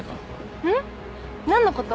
うん？何のこと？